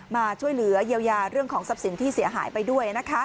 มาช่วยเหลือเยียวยาเรื่องของทรัพย์สินที่เสียหายไปด้วยนะคะ